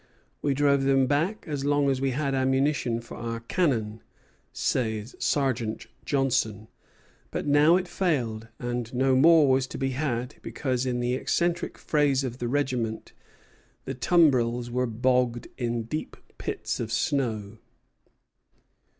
"We drove them back as long as we had ammunition for our cannon," says Sergeant Johnson; but now it failed, and no more was to be had, because, in the eccentric phrase of the sergeant, the tumbrils were "bogged in deep pits of snow."